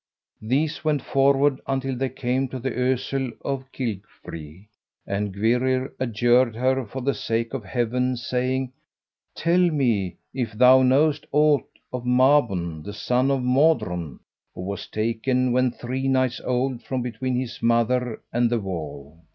These went forward until they came to the Ousel of Cilgwri, and Gwrhyr adjured her for the sake of Heaven, saying, "Tell me if thou knowest aught of Mabon, the son of Modron, who was taken when three nights old from between his mother and the wall."